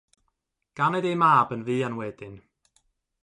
Ganed eu mab yn fuan wedyn.